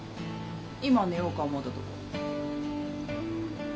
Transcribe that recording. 今寝ようか思うたとこ。